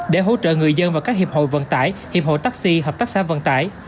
để hỗ trợ người dân và các hiệp hội vận tải hiệp hội taxi hợp tác xã vận tải